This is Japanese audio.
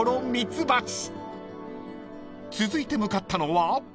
［続いて向かったのは］